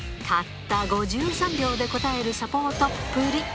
たった５３秒で答えるサポートっぷり。